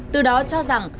từ đó cho rằng